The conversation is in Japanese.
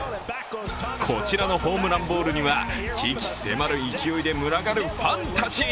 こちらのホームランボールには鬼気迫る勢いで群がるファンたち。